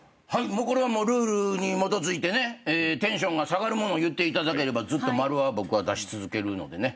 もうこれはルールに基づいてねテンションが下がるものを言っていただければずっとマルは僕は出し続けるのでね。